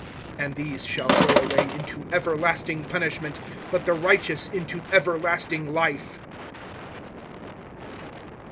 (46)And these shall go away into everlasting punishment, but the righteous into everlasting life.